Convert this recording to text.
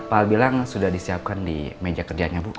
pak al bilang sudah disiapkan di meja kerjanya bu